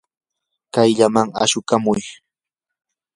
kayllaman ashukamuy.